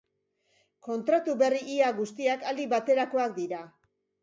Kontratu berri ia guztiak aldi baterakoak dira.